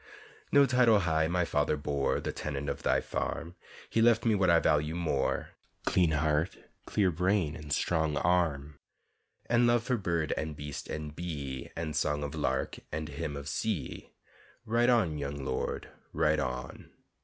No title high my father bore; The tenant of thy farm, He left me what I value more: Clean heart, clear brain, strong arm And love for bird and beast and bee And song of lark and hymn of sea, Ride on, young lord, ride on!